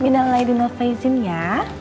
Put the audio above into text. minanglah idul faizin ya